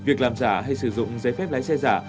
việc làm giả hay sử dụng giấy phép lái xe giả